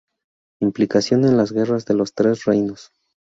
Implicación en las Guerras de los Tres Reinos.